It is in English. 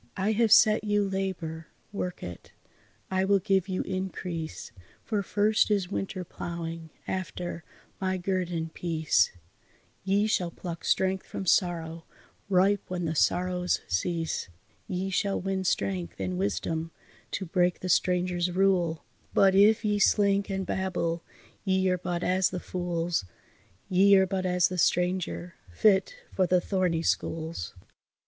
I have set you labour, work it; I will give you increase, For first is winter ploughing, after, my guerdon, peace; Ye shall pluck strength from sorrow, ripe when the sorrows cease; Ye shall win strength and wisdom to break the stranger's rule, But if ye slink and babble ye are but as the fools, Ye are but as the stranger, fit for the thorny schools."